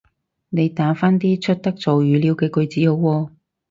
你打返啲出得做語料嘅句子好喎